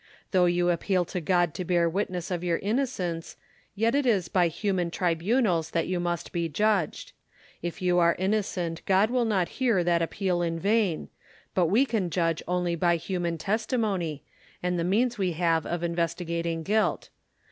Though you appeal to God to bear witness of your innocence, yet it is by human tribunals that you must be judged. If you are innocent God will not hear that appeal in vain, but we can judge only by human testimony, and the means we have of investigating guilt.